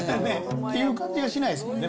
っていう感じがしないですもんね、